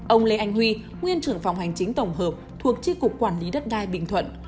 ông lê anh huy nguyên trưởng phòng hành chính tổng hợp thuộc tri cục quản lý đất đai bình thuận